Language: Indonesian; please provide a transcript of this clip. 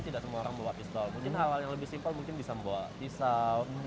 tidak semua orang bawa pistol mungkin hal hal yang lebih simpel mungkin bisa membawa pisau